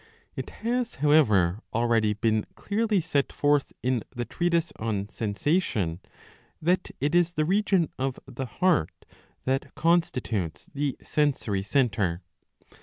^ It has however already been clearly set forth in the treatise on Sensation, that it is the region of the heart that constitutes the sensory centre.